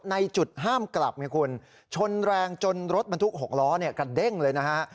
ในจุดห้ามกลับไงคุณชนแรงจนรถบรรทุก๖ล้อเนี่ยกระเด้งเลยนะฮะ